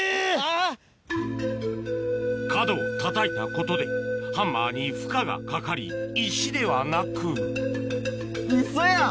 ⁉角をたたいたことでハンマーに負荷がかかり石ではなくウソやん。